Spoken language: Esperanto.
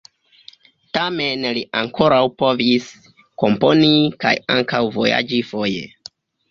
Tamen li ankoraŭ povis komponi kaj ankaŭ vojaĝi foje.